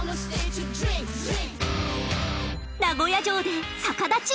名古屋城で逆立ち。